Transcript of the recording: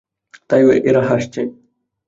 তাই এরা হাসছে।